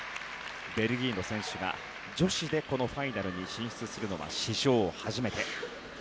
ベルギーの選手が女子でファイナルに進出するのは史上初めて。